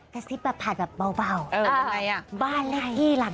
กระซิบแบบผ่านแบบเบา